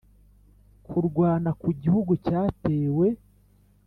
kurwana ku gihugu cyatewe